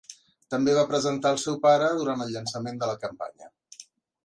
També va presentar al seu pare durant el llançament de la campanya.